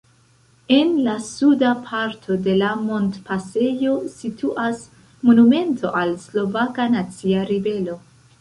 En la suda parto de la montpasejo situas monumento al Slovaka nacia ribelo.